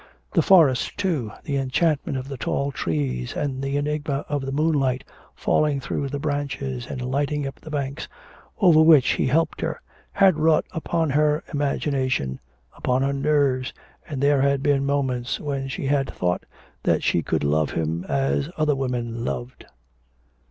The forest, too, the enchantment of the tall trees, and the enigma of the moonlight falling through the branches and lighting up the banks over which he helped her, had wrought upon her imagination, upon her nerves, and there had been moments when she had thought that she could love him as other women loved.